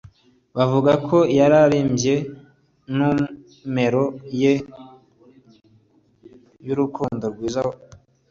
bavuga ko yaririmbye numero ye y'urukundo rwiza kungoma